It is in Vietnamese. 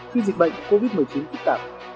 khi dịch bệnh covid một mươi chín tích tạp